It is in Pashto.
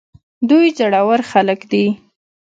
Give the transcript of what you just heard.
دوی زړه ور خلک دي.